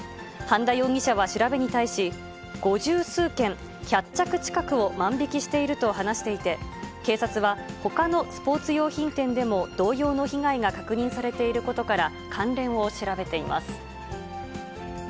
半田容疑者は調べに対し、五十数件、１００着近くを万引きしていると話していて、警察はほかのスポーツ用品店でも同様の被害が確認されていることから、関連を調べています。